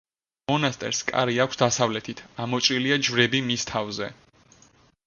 მონასტერს კარი აქვს დასავლეთით, ამოჭრილია ჯვრები მის თავზე.